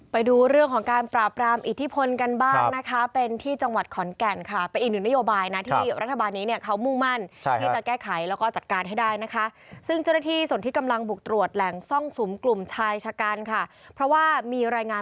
ไปดูเรื่องของการปรากฎร้ามอิทธิพลกันบ้าง